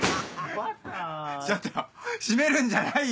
・バター・ちょっと閉めるんじゃないよ！